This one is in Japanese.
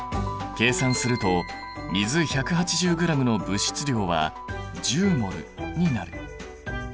計算すると水１８０ｇの物質量は１０ｍｏｌになる。